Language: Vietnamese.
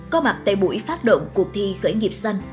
có mặt tại buổi phát động cuộc thi khởi nghiệp xanh